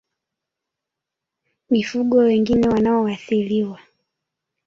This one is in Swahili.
Mifugo wengine wanaoathiriwa